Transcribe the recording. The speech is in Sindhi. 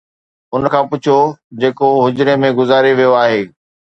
ان کان پڇو جيڪو هجري ۾ گذاري ويو آهي